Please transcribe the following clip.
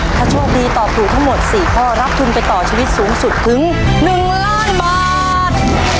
ถ้าโชคดีตอบถูกทั้งหมด๔ข้อรับทุนไปต่อชีวิตสูงสุดถึง๑ล้านบาท